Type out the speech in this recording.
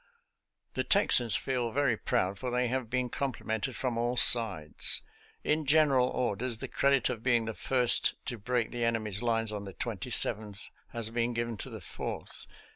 The Texans feel very proud, for they have been complimented from all sides. In general orders the credit of being the first to break the enemy's lines on the 27th has been given to the Fourth.